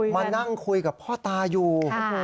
มานั่งคุยกับพ่อตาอยู่